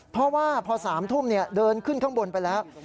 เพราะว่าพอ๓ทุ่มเดินขึ้นข้างบนไปแล้ว